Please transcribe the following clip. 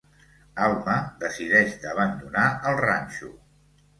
Alma decideix d'abandonar el ranxo.